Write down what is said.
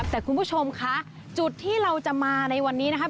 แต่คุณผู้ชมคะจุดที่เราจะมาในวันนี้นะครับ